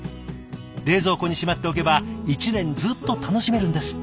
冷蔵庫にしまっておけば一年ずっと楽しめるんですって。